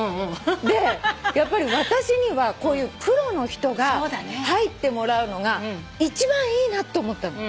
でやっぱり私にはこういうプロの人が入ってもらうのが一番いいなと思ったの。